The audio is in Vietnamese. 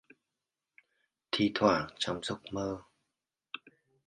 Thi thoảng trong Giấc Mơ